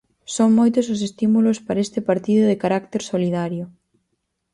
Son moitos os estímulos para este partido de carácter solidario.